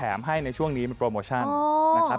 ให้ในช่วงนี้มันโปรโมชั่นนะครับ